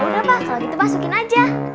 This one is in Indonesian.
yaudah pak kalau gitu masukin aja